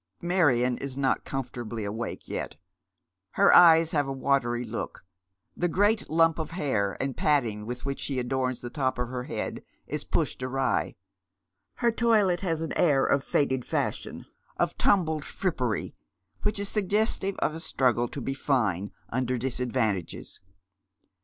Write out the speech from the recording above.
Marion is not comfortably awake yet ; her eyes have a watery look ; the great lump of hair and padding with which she adorns the top of her head is pushed awry ; her toilet has an air of faded fashion, of tumbled frippery, which is suggestive of a struggle to be fine imder disadvantages.